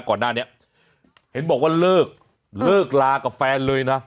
ก่อนหน้านี้เห็นบอกว่าเลิกเลิกลากับแฟนเลยนะ